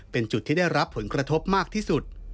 เป็นจุดที่ได้รับผลกระทบมากที่สุด